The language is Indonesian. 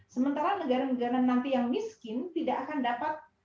sementara negara negara nanti yang miskin tidak akan dapat